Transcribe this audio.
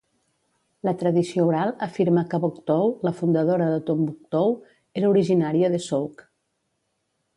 La tradició oral afirma que Boctou, la fundadora de Tombouctou, era originària d'Essouk.